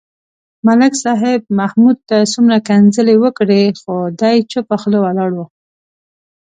ملک صاحب محمود ته څومره کنځلې وکړې. خو دی چوپه خوله ولاړ و.